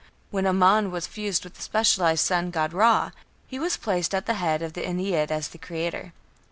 When Amon was fused with the specialized sun god Ra, he was placed at the head of the Ennead as the Creator.